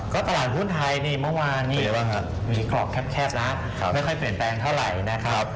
ก็ตลาดหุ้นไทยนี่เมื่อวานนี้มีกรอบแคบนะไม่ค่อยเปลี่ยนแปลงเท่าไหร่นะครับ